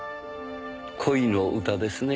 恋の歌ですね。